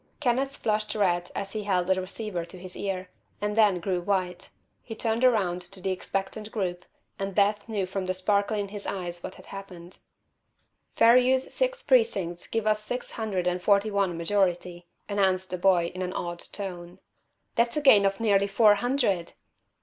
Kenneth flushed red as he held the receiver to his ear, and then grew white. He turned around to the expectant group and Beth knew from the sparkle in his eyes what had happened. "Fairview's six precincts give us six hundred and forty one majority," announced the boy, in an awed tone. "That's a gain of nearly four hundred!"